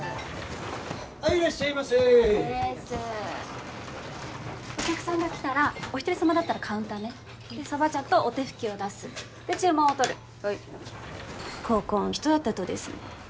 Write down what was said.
はいいらっしゃいませお客さんが来たらお一人様だったらカウンターねでそば茶とお手拭きを出すで注文をとるはいここん人やったとですね